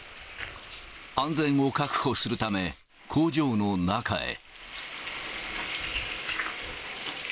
安全を確保するため、工場の中へ。